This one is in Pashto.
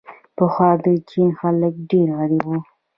پخوا د چین خلک ډېر غریب وو.